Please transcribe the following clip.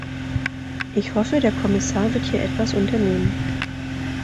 Ich hoffe, der Kommissar wird hier etwas unternehmen.